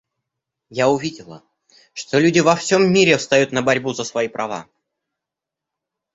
Я увидела, что люди во всем мире встают на борьбу за свои права.